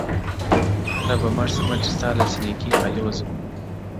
هله به مړ سمه چي ستا له سينکي خاله وځم’